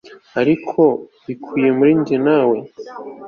ariko bikwiye muri njye nawe